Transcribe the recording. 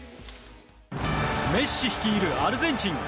メッシ率いるアルゼンチン。